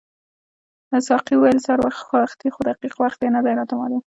ساقي وویل سهار وختي خو دقیق وخت یې نه دی راته معلوم.